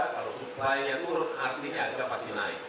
kalau supaya turun artinya harga pasti naik